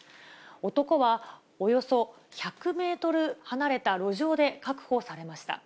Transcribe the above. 男は、およそ１００メートル離れた路上で確保されました。